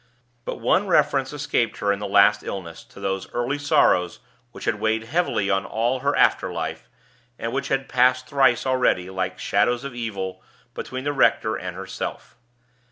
But one reference escaped her in her last illness to those early sorrows which had weighed heavily on all her after life, and which had passed thrice already, like shadows of evil, between the rector and herself.